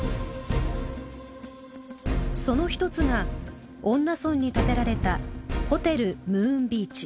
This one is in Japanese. その一つが恩納村に建てられたホテルムーンビーチ。